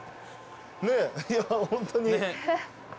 ねえいやホントに。